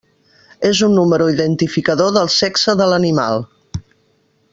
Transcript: És un número identificador del sexe de l'animal.